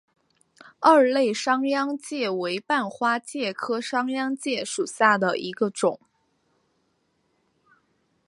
二肋商鞅介为半花介科商鞅介属下的一个种。